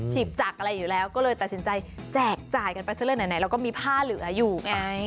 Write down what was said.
ีบจักรอะไรอยู่แล้วก็เลยตัดสินใจแจกจ่ายกันไปซะเลยไหนเราก็มีผ้าเหลืออยู่ไง